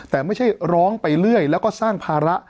แต่ไม่ใช่ร้องไปเรื่อยแล้วก็สร้างภาระ